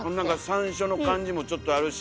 山椒の感じもちょっとあるし。